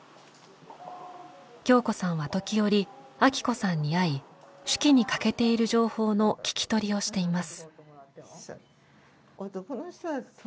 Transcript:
京子さんは時折アキ子さんに会い手記に欠けている情報の聞き取りをしています。